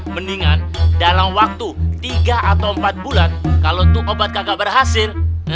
mendingan dalam waktu tiga atau empat bulan kalo tuh obat kagak berhasil